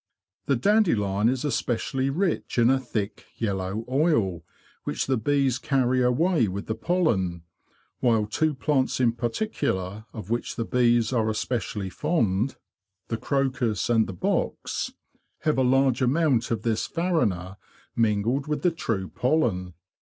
The dandelion is especially rich in a thick yellow oil, which the bees carry away with the pollen; while two plants in particular of which the bees are especially fond— the crocus and the box—have a large amount of this farina mingled with the true pollen.